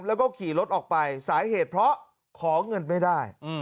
แล้วก็ขี่รถออกไปสาเหตุเพราะขอเงินไม่ได้